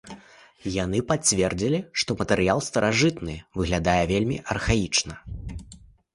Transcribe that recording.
Яны пацвердзілі, што матэрыял старажытны, выглядае вельмі архаічна.